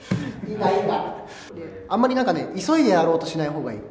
あんまりなんかね急いでやろうとしないほうがいい。